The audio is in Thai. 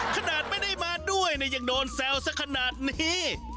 ขนาดไม่ได้มาด้วยเนี่ยยังโดนแซวสักขนาดนี้